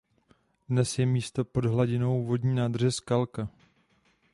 Dnes je místo pod hladinou vodní nádrže Skalka.